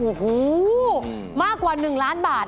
โอ้โหมากกว่า๑ล้านบาท